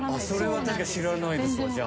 それは確かに知らないです。